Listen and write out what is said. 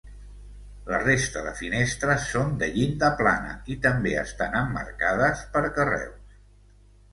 La resta de finestres són de llinda plana i també estan emmarcades per carreus.